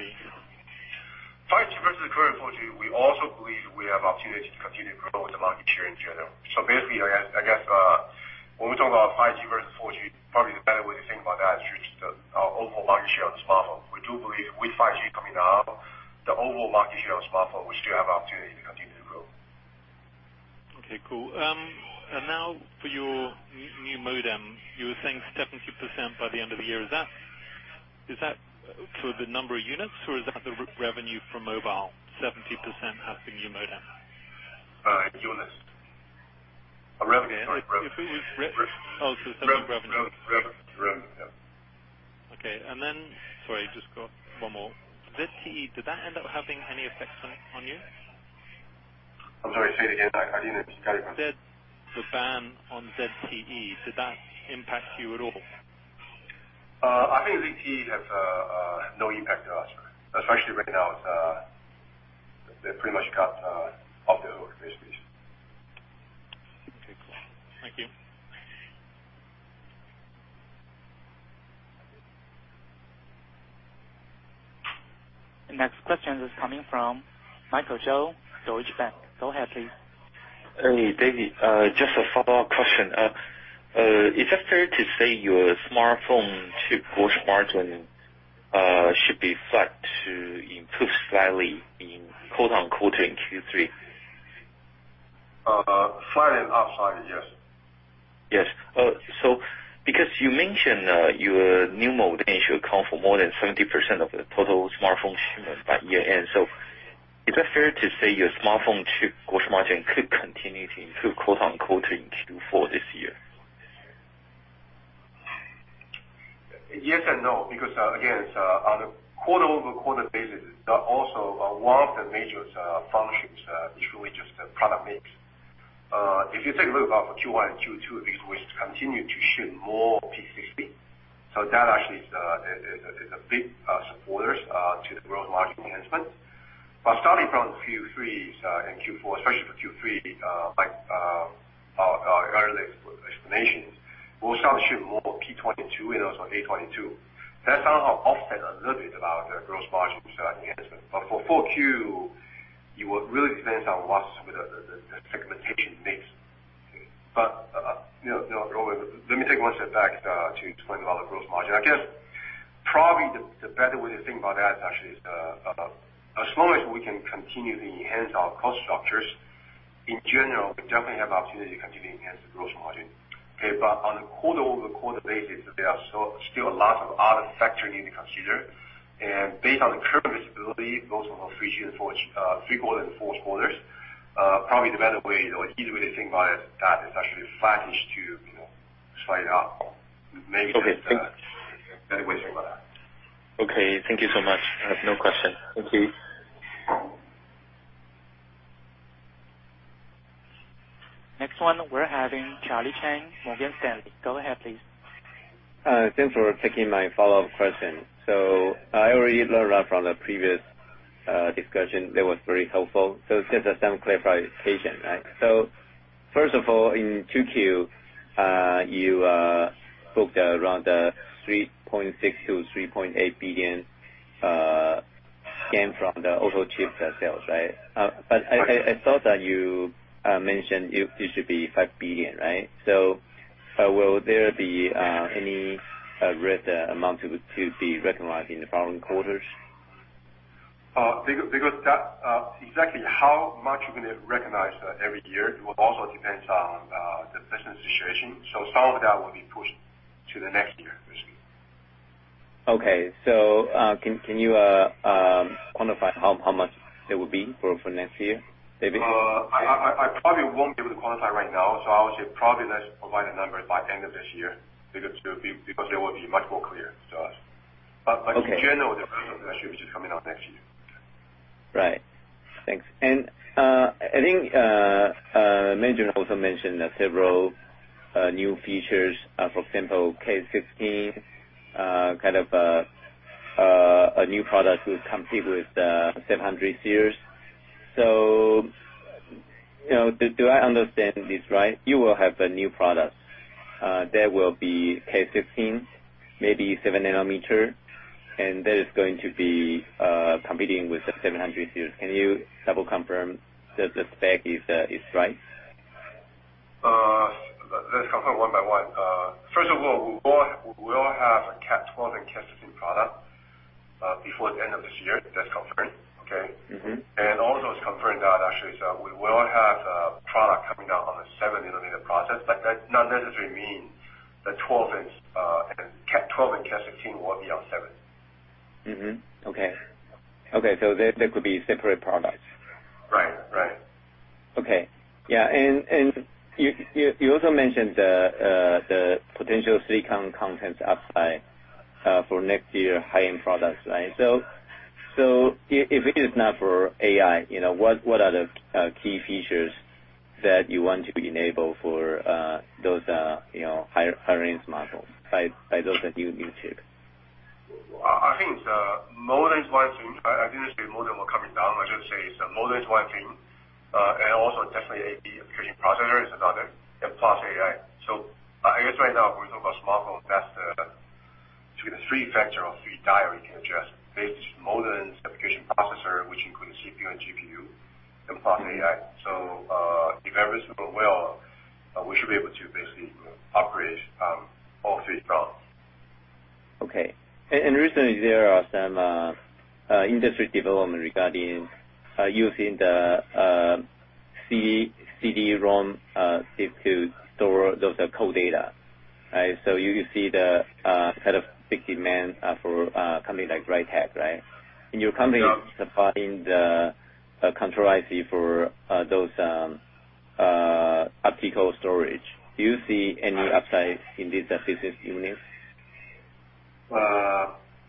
5G versus current 4G, we also believe we have opportunity to continue to grow the market share in general. Basically, I guess, when we talk about 5G versus 4G, probably the better way to think about that is through just our overall market share on the smartphone. We do believe with 5G coming out, the overall market share on smartphone, we still have opportunity to continue to grow. Okay, cool. Now for your new modem, you were saying 70% by the end of the year. Is that for the number of units or is that the revenue for mobile, 70% have the new modem? Units. Revenue. Sorry. Revenue. Okay. Sorry, just got one more. ZTE, did that end up having any effects on you? I'm sorry, say it again. I didn't get it. The ban on ZTE, did that impact you at all? I think ZTE has no impact to us, especially right now. They pretty much got off their own baseband. Okay, cool. Thank you. The next question is coming from Michael Zhou, Deutsche Bank. Go ahead, please. Hey, David. Just a follow-up question. Is it fair to say your smartphone gross margin should be flat to improve slightly in quote-unquote, in Q3? Flat and upside, yes. Yes. Because you mentioned your new modem should account for more than 70% of the total smartphone shipment by year-end, is it fair to say your smartphone gross margin could continue to improve, quote-unquote, in Q4 this year? Yes and no, because, again, it's on a quarter-over-quarter basis. Also, one of the major functions usually just the product mix. If you take a look at Q1 and Q2, at least we continue to ship more P60. That actually is a big supporter to the growth margin enhancement. Starting from Q3 and Q4, especially for Q3, like our earlier explanations, we will start to ship more P22 and also A22. That somehow offset a little bit about the gross margin enhancement. For 4Q, you would really depend on what's the segmentation mix. Let me take one step back to explain about the gross margin. I guess, probably the better way to think about that actually is, as long as we can continue to enhance our cost structures, in general, we definitely have opportunity to continue to enhance the gross margin. Okay, on a quarter-over-quarter basis, there are still a lot of other factors you need to consider. Based on the current visibility, both on the three quarters and four quarters, probably the better way or easier way to think about it, that is actually flattish to slightly up. Okay. Better way to think about that. Okay. Thank you so much. I have no question. Thank you. Next one, we're having Charlie Chan, Morgan Stanley. Go ahead, please. Thanks for taking my follow-up question. I already learned a lot from the previous discussion. That was very helpful. Just some clarification. First of all, in 2Q, you booked around 3.6 billion-3.8 billion gain from the AutoChips sales, right? I thought that you mentioned it should be 5 billion, right? Will there be any amount to be recognized in the following quarters? Exactly how much we're going to recognize every year, it will also depend on the business situation. Some of that will be pushed to the next year basically. Okay. Can you quantify how much it will be for next year, David? I probably won't be able to quantify right now. I would say probably let's provide a number by end of this year because it will be much more clear to us. Okay. In general, the business which is coming out next year. Right. Thanks. I think, also mentioned several new features. For example, K15, kind of a new product to compete with the 700 series. Do I understand this right? You will have a new product that will be K15, maybe 7nm, and that is going to be competing with the 700 series. Can you double confirm that the spec is right? Let's confirm one by one. First of all, we will have a Cat 12 and Cat 16 product before the end of this year. That's confirmed. Also it's confirmed that actually, we will have a product coming out on the 7nm process, but that not necessarily mean the 12 and Cat 16 will be on seven. Okay. They could be separate products. Right. Okay. Yeah. You also mentioned the potential silicon content upside for next year high-end products. Right. If it is not for AI, what are the key features that you want to enable for those higher-end smartphones by those that you mentioned? I think the modem is one thing. I didn't say modem were coming down. I just say it's a modem is one thing. Also definitely, the application processor is another, and plus AI. I guess right now, if we talk about smartphone, that's between the three factor or three drivers can adjust. Base modem, application processor, which includes CPU and GPU, and plus AI. If everything goes well, we should be able to basically operate all three fronts. Okay. Recently there are some industry development regarding using the CD-ROM chip to store those code data. Right. You see the kind of big demand for a company like Ritek, right? Your company supplying the control IC for those optical storage. Do you see any upside in this business unit?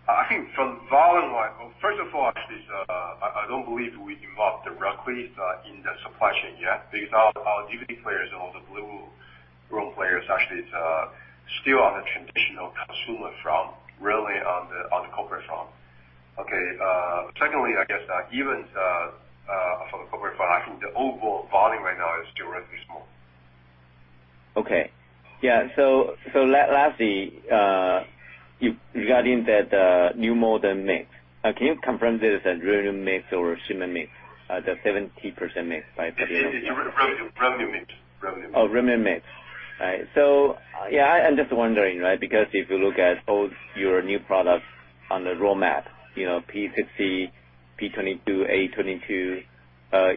I think from volume-wise, first of all, actually, I don't believe we involved directly in the supply chain yet because our DVD players and all the Blu-ray players, actually, it's still on the traditional consumer front, really on the corporate front. Okay. Secondly, I guess, even for the corporate front, I think the overall volume right now is still relatively small. Okay. Yeah. Lastly, regarding that new modem mix, can you confirm this as revenue mix or shipment mix, the 70% mix? It's revenue mix. Oh, revenue mix. Right. Yeah, I'm just wondering, because if you look at both your new products on the roadmap, P60, P22, A22,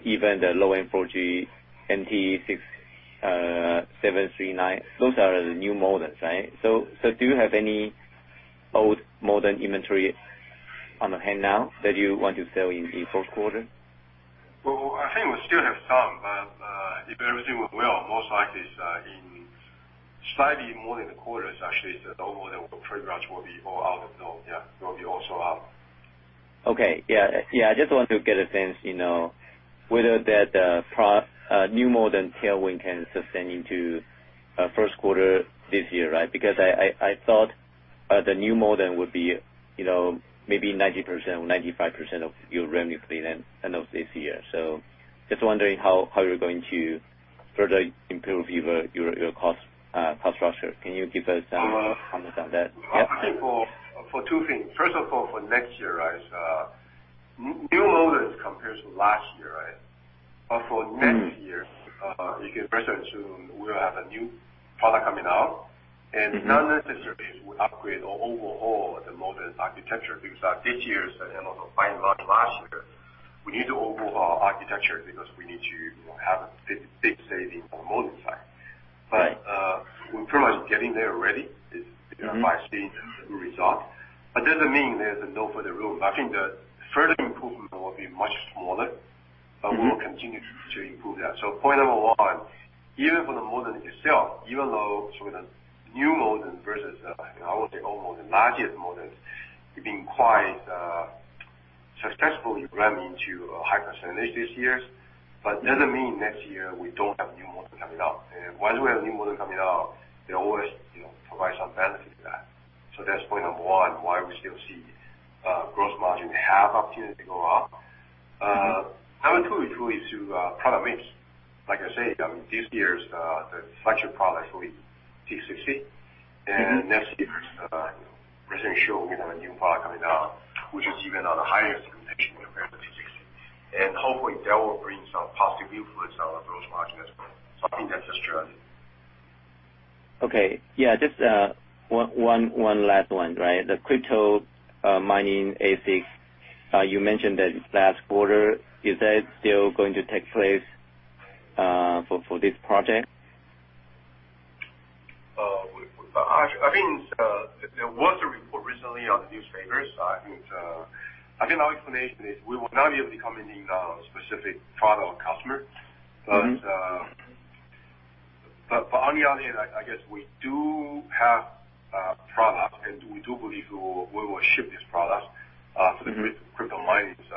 even the low-end 4G, MT6739, those are the new modems, right? Do you have any old modem inventory on hand now that you want to sell in the first quarter? Well, I think we still have some, but if everything goes well, most likely, in slightly more than a quarter, actually, the old modem will pretty much will be all out of stock. Yeah. It will be all sold out. Okay. Yeah. I just want to get a sense, whether that new modem tailwind can sustain into first quarter next year, right? Because I thought the new modem would be maybe 90% or 95% of your revenue for the end of this year. Just wondering how you're going to further improve your cost structure. Can you give us some comments on that? Yeah. I'll speak for two things. First of all, for next year, right? New modems compared to last year, right? For next year, you can rest assured we'll have a new product coming out, and not necessarily we upgrade overall the modem's architecture because this year's, and also by and large last year, we need to overhaul architecture because we need to have a big saving on modem side. Right. We're pretty much getting there already, by seeing the result. Doesn't mean there's no further room. I think the further improvement will be much smaller. We will continue to improve that. Point number one, even for the modem itself, even though some of the new modem versus, I would say, old modem, last year's modem, we've been quite successful. We ramp into a high percentage this year. Doesn't mean next year, we don't have new modem coming out. Once we have a new modem coming out, they always provide some benefit to that. That's point number one, why we still see gross margin have opportunity to go up. Number two is really to product mix. Like I say, I mean, this year's, the flagship product will be D60. Next year's, recent show, we have a new product coming out, which is even on a higher specification compared to D60. Hopefully, that will bring some positive influence on the gross margin as well. Something that's a strength. Okay. Yeah. Just one last one, right. The crypto mining ASIC, you mentioned that last quarter. Is that still going to take place, for this project? I think there was a report recently on the newspapers. I think our explanation is we will not be able to comment on specific product or customer. On the other hand, I guess we do have products, and we do believe we will ship these products- for the crypto mining